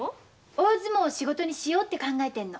大相撲を仕事にしようって考えてんの。